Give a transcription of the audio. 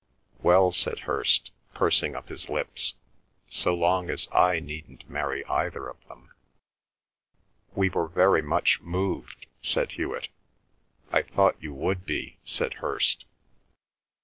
"Well," said Hirst, pursing up his lips, "so long as I needn't marry either of them—" "We were very much moved," said Hewet. "I thought you would be," said Hirst.